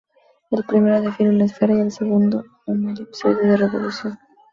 El primero define una esfera y el segundo un elipsoide de revolución.